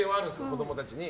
子供たちに。